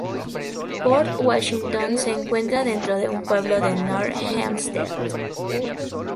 Port Washington se encuentra dentro del pueblo de North Hempstead.